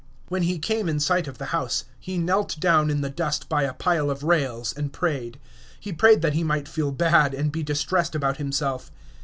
When he came in sight of the house, he knelt down in the dust by a pile of rails and prayed. He prayed that he might feel bad, and be distressed about himself.